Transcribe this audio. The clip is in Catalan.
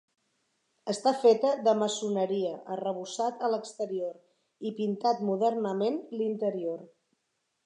Està feta de maçoneria, arrebossat a l'exterior i pintat modernament l'interior.